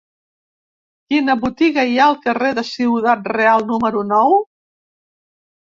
Quina botiga hi ha al carrer de Ciudad Real número nou?